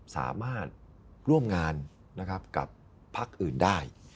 สามารถร่วมงานกับพักอื่นได้